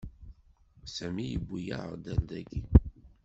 Sami yewwi-yaɣ-d ar dagi.